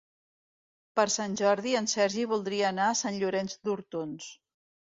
Per Sant Jordi en Sergi voldria anar a Sant Llorenç d'Hortons.